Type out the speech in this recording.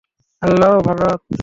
Hello, Bharat.